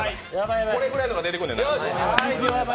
これぐらいのが出てくるんやな。